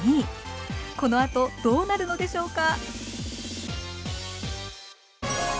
このあとどうなるのでしょうか？